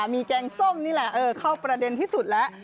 มีแกงส้มนี่แหละเข้าประเด็นที่สุดแล้ว